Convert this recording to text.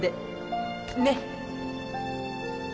ねっ？